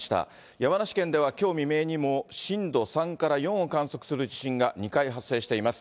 山梨県ではきょう未明にも、震度３から４を観測する地震が２回発生しています。